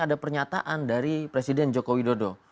ada pernyataan dari presiden joko widodo